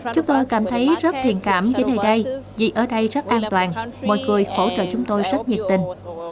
chúng tôi cảm thấy rất thiền cảm đến nơi đây vì ở đây rất an toàn mọi người hỗ trợ chúng tôi rất nhiệt tình